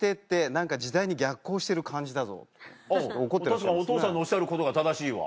確かにお父さんのおっしゃることが正しいわ。